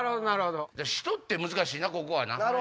人って難しいなここはな。